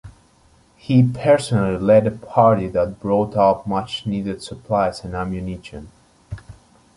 He personally led a party that brought up much needed supplies and ammunition.